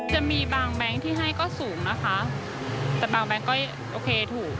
จะมีบางแบงค์ที่ให้ก็สูงนะคะแต่บางแบงค์ก็โอเคถูก